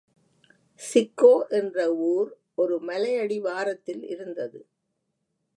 Chicco என்றவூர் ஒரு மலையடிவாரத்திலிருந்தது.